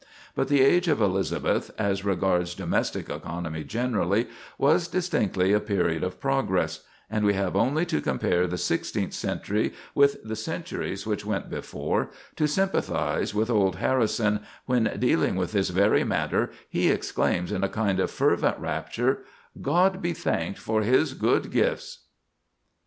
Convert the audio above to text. But the age of Elizabeth, as regards domestic economy generally, was distinctly a period of progress, and we have only to compare the sixteenth century with the centuries which went before, to sympathize with old Harrison, when, dealing with this very matter, he exclaims in a kind of fervent rapture—"God be thankt for his good gifts!"